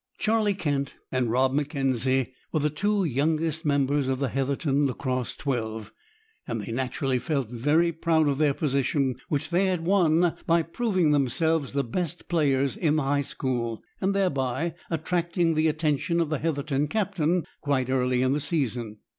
Charlie Kent and Rob M'Kenzie were the two youngest members of the Heatherton lacrosse twelve, and they naturally felt very proud of their position, which they had won by proving themselves the best players in the high school, and thereby attracting the attention of the Heatherton captain quite early in the season.